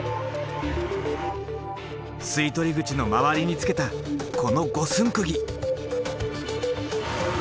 吸い取り口の周りにつけたこの五寸釘。